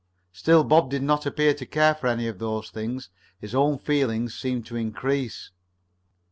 Still Bob did not appear to care for any of those things. His own feelings seemed to increase.